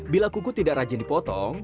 bila kuku tidak rajin dipotong